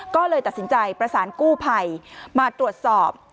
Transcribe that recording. ก็เลยตัดสินใจประสานกู้ภัยมาตรวจสอบ